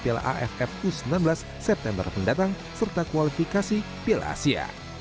piala aff u sembilan belas september mendatang serta kualifikasi piala asia